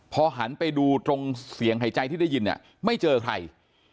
พอหันไปดูตรงเสียงหายใจที่ได้ยินเนี่ยไม่เจอใคร